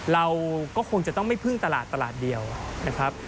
เราก็คงจะต้องไม่พึ่งตลาดตลาดเดียวนะครับ